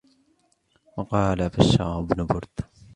وَقَالَ بَشَّارُ بْنُ بُرْدٍ